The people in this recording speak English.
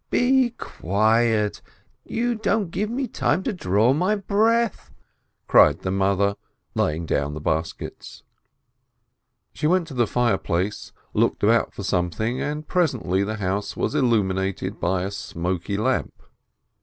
"Be quiet! You don't give me time to draw my breath !" cried the mother, laying down the baskets. She went to the fireplace, looked about for something, and presently the house was illumined by a smoky lamp.